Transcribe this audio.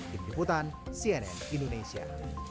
tim jeputan cnn indonesia